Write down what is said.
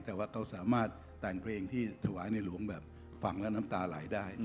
แต่ว่าเขาสามารถแต่งเพลงที่ถวายในหลวงแบบฟังแล้วน้ำตาไหลได้